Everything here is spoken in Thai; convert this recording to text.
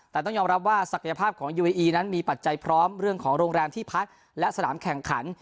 แต่ต้องยอมรับว่าศักยภาพของยูเออีนั้นมีปัจจัยพร้อมเรื่องของโรงแรมที่พักและสนามแข่งขัน